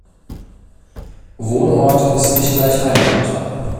Wohnort ist nicht gleich Heimat.